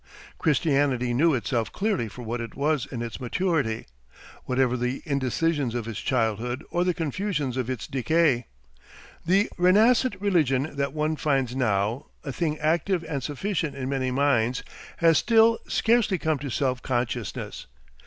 Christianity knew itself clearly for what it was in its maturity, whatever the indecisions of its childhood or the confusions of its decay. The renascent religion that one finds now, a thing active and sufficient in many minds, has still scarcely come to self consciousness.